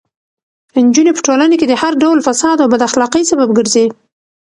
نجونې په ټولنه کې د هر ډول فساد او بد اخلاقۍ سبب ګرځي.